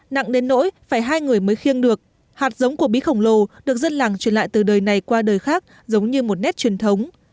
nặng đến nỗi phải hai người mới khiêng được hạt giống của bí khổng lồ được dân làng truyền lại từ đời này qua đời khác giống như một nét truyền thống